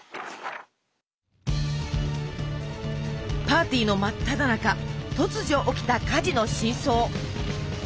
パーティーの真っただ中突如起きた火事の真相。